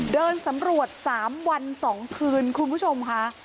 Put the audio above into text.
เดินสำรวจ๓วัน๒คืนคุณผู้ชมค่ะ